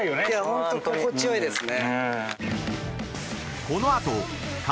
ホント心地よいですね。